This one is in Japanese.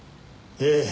ええ。